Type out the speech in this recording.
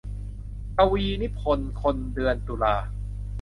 กวีนิพนธ์คนเดือนตุลา